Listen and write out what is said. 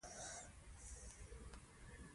عَبْد الله بن مسعود رضی الله عنه فرمايي: